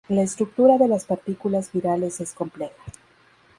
La estructura de las partículas virales es compleja.